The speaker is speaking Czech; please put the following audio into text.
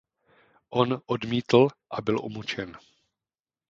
On odmítl a byl umučen.